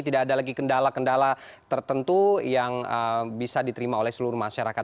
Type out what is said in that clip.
tidak ada lagi kendala kendala tertentu yang bisa diterima oleh seluruh masyarakat